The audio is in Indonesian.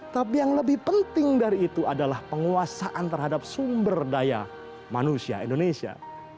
tapi yang lebih penting dari itu adalah penguasaan terhadap sumber daya manusia indonesia